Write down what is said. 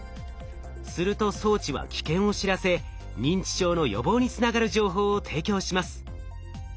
すると装置は危険を知らせ認知症の予防につながる情報を提供します。